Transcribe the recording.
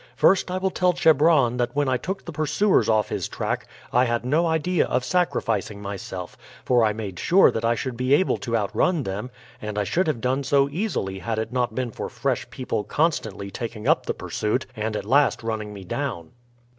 First, I will tell Chebron that when I took the pursuers off his track I had no idea of sacrificing myself, for I made sure that I should be able to outrun them, and I should have done so easily had it not been for fresh people constantly taking up the pursuit and at last running me down."